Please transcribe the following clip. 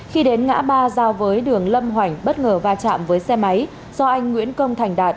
khi đến ngã ba giao với đường lâm hoành bất ngờ va chạm với xe máy do anh nguyễn công thành đạt